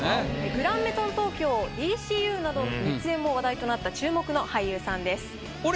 「グランメゾン東京」「ＤＣＵ」など熱演も話題となった注目の俳優さんです。